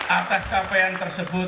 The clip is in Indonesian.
atas capaian tersebut